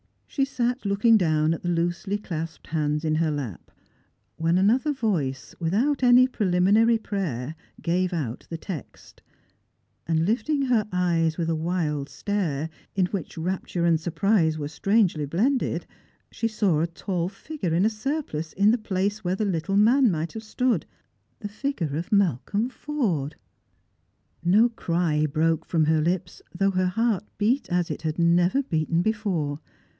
She sat looking down at the loosely clasped hands in her lap, •when another voice, without any preliminary prayer, gave out the text ; and lifting her eyes with a wild stare, in which rap ture and surprise were strangely blended, saw a tall figure in a surplice in the place where the httle man might have stood — the figure of Malcolm Forde. No cry broke from her lips, though her heart beat as it had never beaten before.